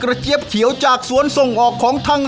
อร่อยเชียบแน่นอนครับอร่อยเชียบแน่นอนครับ